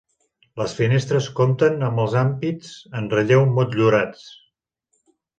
Les finestres compten amb els ampits en relleu motllurats.